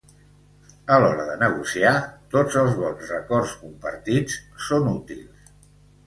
A l'hora de negociar tots els bons records compartits són útils.